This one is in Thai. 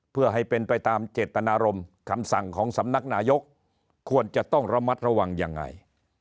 เพื่อให้เป็นไปตามเจตนารมคำสั่งของสำนักนายกควรจะต้องระมัดระวังยังไง